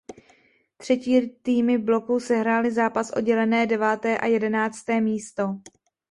Třetí týmy bloků sehrály zápas o dělené deváté a jedenácté místo.